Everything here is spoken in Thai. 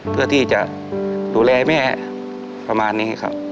เพื่อที่จะดูแลแม่ประมาณนี้ครับ